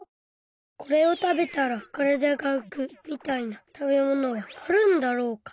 これをたべたら体がうくみたいな食べ物はあるんだろうか。